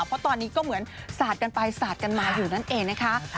เพราะตอนนี้ก็เหมือนสาดกันไปสาดกันมาอยู่นั่นเองนะคะ